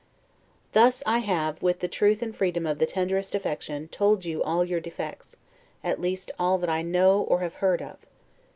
Thus I have, with the truth and freedom of the tenderest affection, told you all your defects, at least all that I know or have heard of.